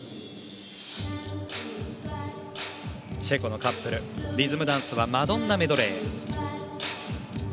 チェコのカップルリズムダンスは「マドンナメドレー」。